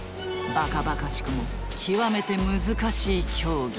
ばかばかしくも極めて難しい競技。